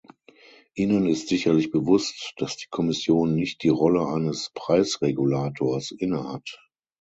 Ihnen ist sicherlich bewusst, dass die Kommission nicht die Rolle eines Preisregulators innehat.